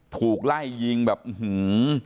ถูกไล่ยิงแบบอื้อหือ